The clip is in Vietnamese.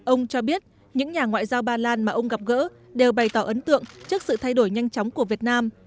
ông cho biết những nhà ngoại giao ba lan mà ông gặp gỡ đều bày tỏ ấn tượng trước sự thay đổi nhanh chóng của việt nam